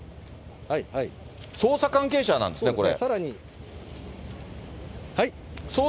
捜査関係者なんですね、これ。